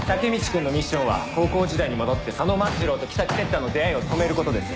君のミッションは高校時代に戻って佐野万次郎と稀咲鉄太の出会いを止めることです。